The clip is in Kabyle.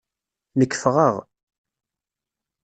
Nekk ffɣeɣ.